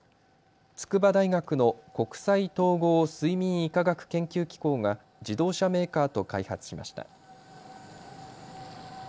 筑波大学の国際統合睡眠医科学研究機構が自動車メーカーと開発しました。